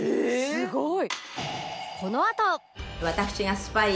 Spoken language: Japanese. すごい！